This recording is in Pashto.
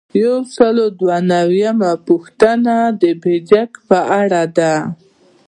یو سل او دوه نوي یمه پوښتنه د بیجک په اړه ده.